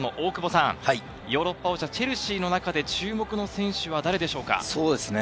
ヨーロッパ王者チェルシーの中で注目の選手は誰でしょうか。